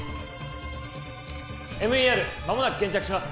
ＭＥＲまもなく現着します